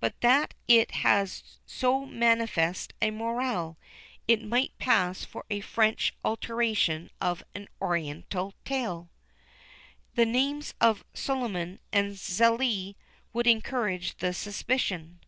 But that it has so manifest a moral, it might pass for a French alteration of an Oriental tale. The names of Suliman and Zélie would encourage the suspicion.